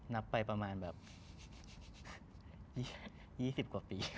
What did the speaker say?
นับไปประมาณแบบ๒๐กว่าปี